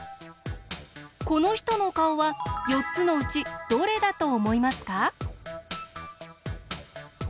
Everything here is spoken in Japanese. このひとのかおは４つのうちどれだとおもいますか？